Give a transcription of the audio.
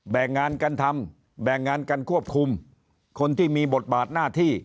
แบ่งงานกันทำแบ่งงานกันควบคุมคนที่มีบทบาทหน้าที่